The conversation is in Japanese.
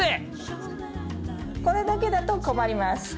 これだけだと困ります。